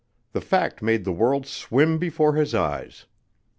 The fact made the world swim before his eyes.